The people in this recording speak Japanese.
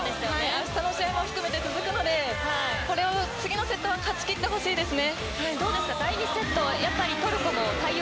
あしたの試合も含めて続くので次のセットは勝ち切ってほしいですね。